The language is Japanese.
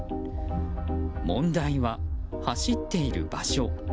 問題は、走っている場所。